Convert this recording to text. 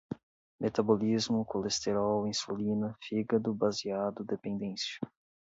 metabolismo, colesterol, insulina, fígado, baseado, dependência